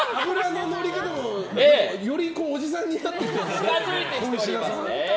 乗り方もよりおじさんになってきましたね。